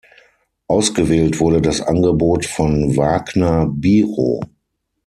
Ausgewählt wurde das Angebot von Waagner-Biro.